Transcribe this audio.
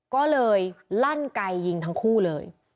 ก็เลยลั่นไกยิงทั้งคู่เลย